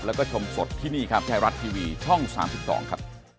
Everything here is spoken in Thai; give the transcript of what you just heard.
แล้วก็ชมสดที่นี่ครับไทยรัฐทีวีช่อง๓๒ครับ